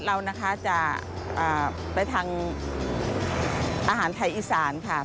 ร้านบักนัดเราจะไปทางอาหารไทยอีสานค่ะ